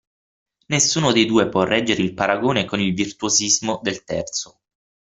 Nessuno dei due può reggere il paragone con il virtuosismo del terzo.